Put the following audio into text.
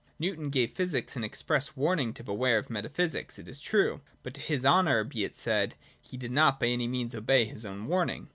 Newton gave physics an express warning to beware of metaphysics, it is true ; but, to his honour be it said, he did not by any means obey his own warning.